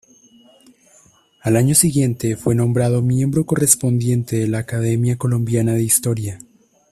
Al año siguiente, fue nombrado Miembro Correspondiente de la Academia Colombiana de Historia.